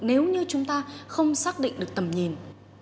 nếu như chúng ta không xác định được tầm nhìn